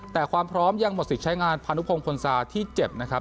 แต่ความพร้อมยังหมดสิทธิ์ใช้งานพานุพงพลศาที่เจ็บนะครับ